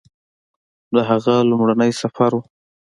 د هغه لومړنی سفر و